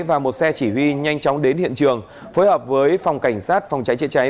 và một xe chỉ huy nhanh chóng đến hiện trường phối hợp với phòng cảnh sát phòng cháy chữa cháy